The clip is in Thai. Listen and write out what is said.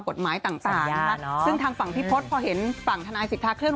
กฎหมายต่างนะคะซึ่งทางฝั่งพี่พศพอเห็นฝั่งทนายสิทธาเคลื่อ